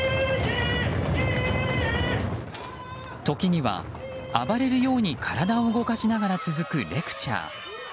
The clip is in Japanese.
時には暴れるように体を動かしながら続くレクチャー。